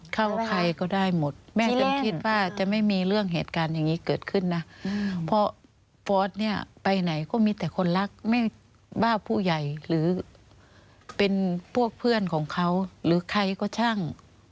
เข้าใครก็ได้หมดแม่ยังคิดว่าจะไม่มีเรื่องเหตุการณ์อย่างนี้เกิดขึ้นนะเพราะฟอร์สเนี่ยไปไหนก็มีแต่คนรักแม่บ้าผู้ใหญ่หรือเป็นพวกเพื่อนของเขาหรือใครก็ช่าง